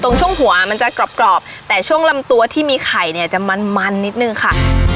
ช่วงหัวมันจะกรอบแต่ช่วงลำตัวที่มีไข่เนี่ยจะมันมันนิดนึงค่ะ